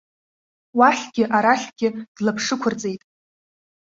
Уахьгьы-арахьгьы длаԥшықәырҵеит.